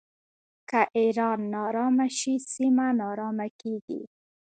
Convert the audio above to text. که ایران ناارامه شي سیمه ناارامه کیږي.